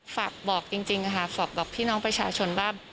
ฝากบอกจริงค่ะฝากบอกพี่น้องประชาชนว่า